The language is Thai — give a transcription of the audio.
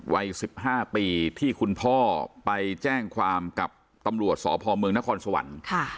วัยสิบห้าปีที่คุณพ่อไปแจ้งความกับตำรวจสอบภอมเมืองนครสวรรค์ค่ะ